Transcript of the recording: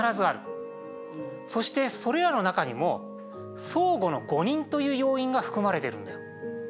そしてそれらの中にも相互の誤認という要因が含まれてるんだよ。